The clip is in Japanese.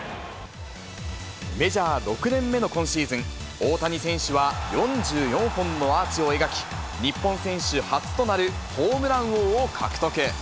メジャー６年目の今シーズン、大谷選手は４４本のアーチを描き、日本選手初となるホームラン王を獲得。